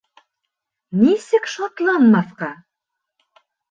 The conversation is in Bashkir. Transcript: — Нисек шатланмаҫҡа?